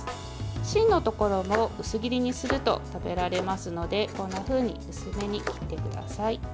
芯のところを薄切りにすると食べられますのでこんなふうに薄切りに切ってください。